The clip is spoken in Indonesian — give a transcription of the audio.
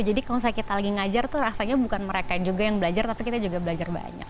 jadi kalau misalnya kita lagi ngajar tuh rasanya bukan mereka juga yang belajar tapi kita juga belajar banyak